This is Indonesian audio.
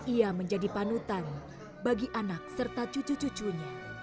ia menjadi panutan bagi anak serta cucu cucunya